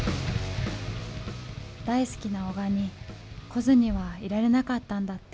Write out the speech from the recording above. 大好きな男鹿に来ずにはいられなかったんだって。